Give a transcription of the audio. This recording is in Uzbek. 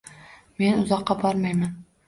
Men uzoqqa bormayman